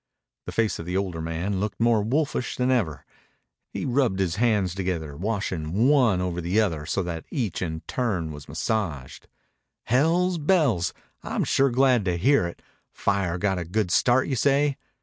The face of the older man looked more wolfish than ever. He rubbed his hands together, washing one over the other so that each in turn was massaged. "Hell's bells! I'm sure glad to hear it. Fire got a good start, you say?"